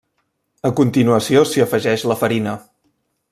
A continuació s'hi afegeix la farina.